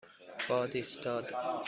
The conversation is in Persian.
باد ایستاد.